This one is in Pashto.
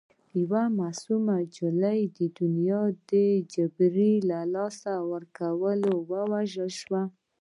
یوه معصومه نجلۍ د دنیا د جبر له لاسه وژل شوې وه